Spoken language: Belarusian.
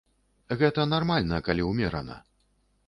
Гэта нармальна, калі ўмерана.